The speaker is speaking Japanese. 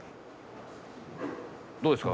どうですか？